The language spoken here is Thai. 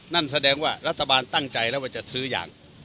นั่นแสดงว่ารัฐบาลตั้งใจแล้วว่าจะซื้อยาง